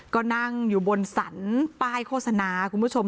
ก็นั่งอยู่บนสรรป้ายโฆษณาคุณผู้ชม